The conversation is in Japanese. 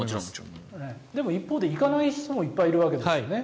でも、一方で行かない人もいっぱいいるわけですよね。